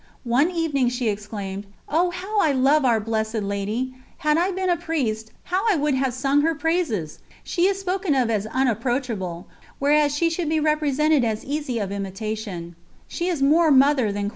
One evening she exclaimed: "Oh, how I love Our Blessed Lady! Had I been a Priest, how I would have sung her praises! She is spoken of as unapproachable, whereas she should be represented as easy of imitation.